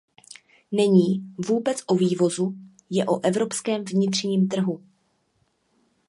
Není vůbec o vývozu, je o evropském vnitřním trhu.